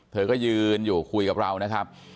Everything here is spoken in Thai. เธอก็ยืนอยู่คุยกับเรานะครับ